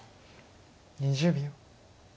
２０秒。